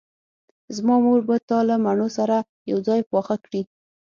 زما مور به تا له مڼو سره یوځای پاخه کړي